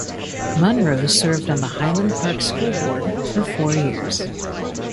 Munro served on the Highland Park School Board for four years.